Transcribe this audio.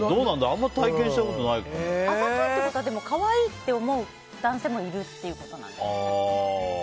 あざといってことは、でも可愛いって思う男性もいるっていうことなんですかね。